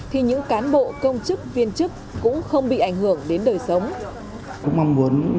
thì những cán bộ công chức viên chức cũng không bị ảnh hưởng đến đời sống